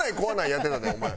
やってたでお前。